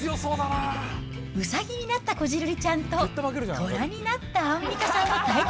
ウサギになったこじるりちゃんと、虎になったアンミカさんの対決。